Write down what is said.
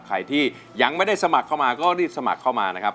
ใครที่ยังไม่ได้สมัครเข้ามาก็รีบสมัครเข้ามานะครับ